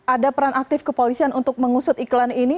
ada peran aktif kepolisian untuk mengusut iklan ini